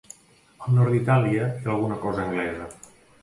Al nord d'Itàlia hi ha alguna cosa anglesa.